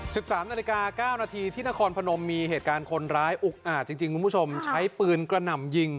สิบสามนาฬิกาเก้านาทีที่นครพนมมีเหตุการณ์คนร้ายอุกอาจจริงจริงคุณผู้ชมใช้ปืนกระหน่ำยิง